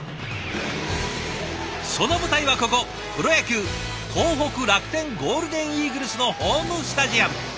その舞台はここプロ野球東北楽天ゴールデンイーグルスのホームスタジアム。